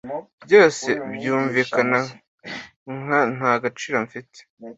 Byose byumvikana nka ntagaciro mfite